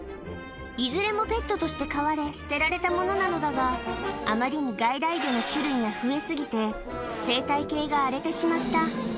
いずれもペットとして飼われ、捨てられたものなのだが、あまりに外来魚の種類が増え過ぎて、生態系が荒れてしまった。